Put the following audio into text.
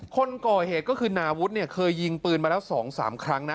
คนก่อเหตุก็คือนาวุฒิเนี่ยเคยยิงปืนมาแล้ว๒๓ครั้งนะ